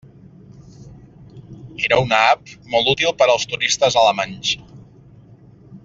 Era una app molt útil per als turistes alemanys.